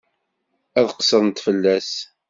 Ad qeṣṣrent fell-as.